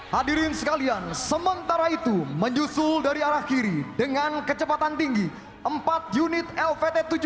hadirin sekalian sementara itu menyusul dari arah kiri dengan kecepatan tinggi empat unit lvt tujuh puluh